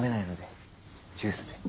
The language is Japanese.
ジュースで。